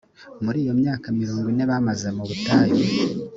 muri iyo myaka mirongo ine bamaze mu butayu